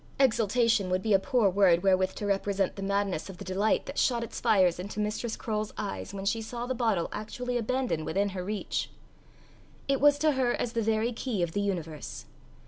Exultation would be a poor word wherewith to represent the madness of the delight that shot its fires into Mistress Croale's eyes when she saw the bottle actually abandoned within her reach. It was to her as the very key of the universe.